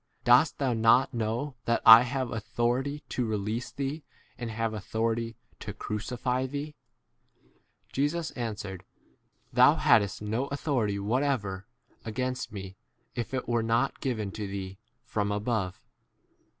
Dost thou not know that I have authority to release t thee and have authority to crucify thee ? 11 Jesus answered, 7 Thou hadst no authority whatever against me if it were not given to thee from above.